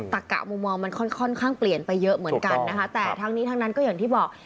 ตะกะมุมมองมันค่อนข้างเปลี่ยนไปเยอะเหมือนกันนะคะแต่ทั้งนี้ทั้งนั้นก็อย่างที่บอก